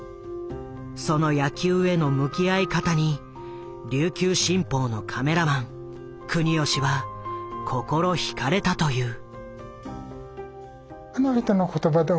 その野球への向き合い方に琉球新報のカメラマン國吉は心ひかれたという。